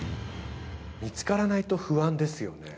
見つからないと不安ですよね